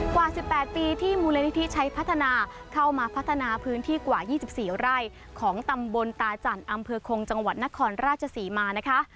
กว่า๑๘ปีที่มูลนิธิใช้พัฒนาเข้ามาพัฒนาพื้นที่กว่า๒๔ไร่ของตำบลตาจันทร์อำเภอคงจังหวัดนครราชศรีมานะคะ